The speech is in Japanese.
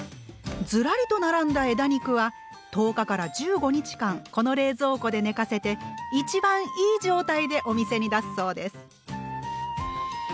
ずらりと並んだ枝肉は１０日から１５日間この冷蔵庫で寝かせて一番いい状態でお店に出すそうです。